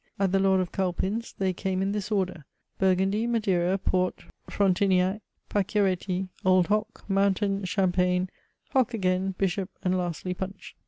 At the Lord of Culpin's they came in this order. Burgundy Madeira Port Frontiniac Pacchiaretti Old Hock Mountain Champagne Hock again Bishop, and lastly, Punch.